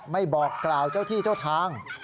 บอกกล่าวเจ้าที่เจ้าทาง